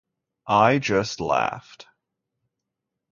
I just laughed.